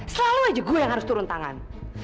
selalu aja gue yang harus turun tangan